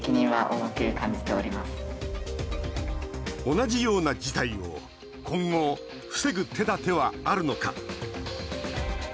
同じような事態を今後、防ぐ手だてはあるのか。